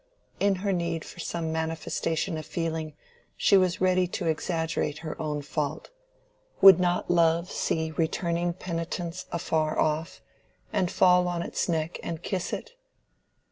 In her need for some manifestation of feeling she was ready to exaggerate her own fault. Would not love see returning penitence afar off, and fall on its neck and kiss it?